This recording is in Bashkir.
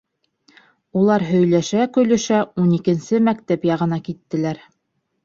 Улар һөйләшә-көлөшә ун икенсе мәктәп яғына киттеләр.